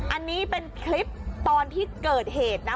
อันนี้เป็นคลิปตอนที่เกิดเหตุนะ